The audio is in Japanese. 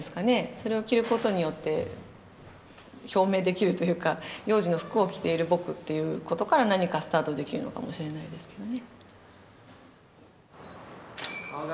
それを着ることによって表明できるというかヨウジの服を着ている僕っていうことから何かスタートできるのかもしれないですけどね。